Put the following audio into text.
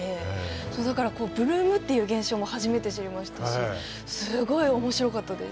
だからブルームっていう現象も初めて知りましたしすごい面白かったです。